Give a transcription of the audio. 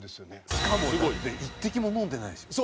しかもだって一滴も飲んでないでしょ？